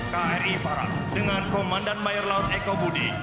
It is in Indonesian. kri parang dengan komandan mayor laut eko budi